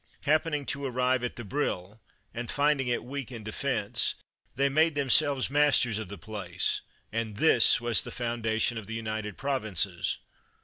Happening to arrive at the Brille, and finding it weak in defense, they made them selves masters of the place; and this was the foundation of the United Provinces.